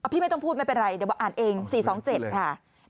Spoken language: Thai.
พี่ไม่ต้องพูดไม่เป็นไรเดี๋ยวบอกอ่านเอง๔๒๗ค่ะ